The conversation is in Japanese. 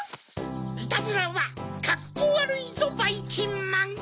「イタズラはカッコわるいぞばいきんまん」。